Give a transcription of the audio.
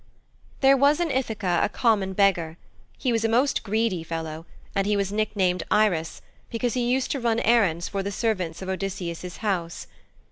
XI There was in Ithaka a common beggar; he was a most greedy fellow, and he was nicknamed Irus because he used to run errands for the servants of Odysseus' house.